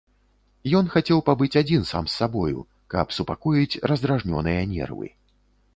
Ён хацеў пабыць адзін сам з сабою, каб супакоіць раздражнёныя нервы.